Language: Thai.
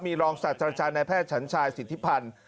มีรองชาติจรรยาชาญในแพทย์ชันชายศิษภัณฑ์